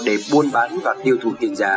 để buôn bán và tiêu thụ tiền giả